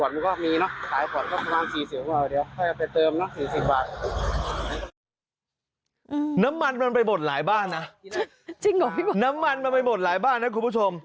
น้ำมันมันไปหมดหลายบ้านนะคุณผู้ชม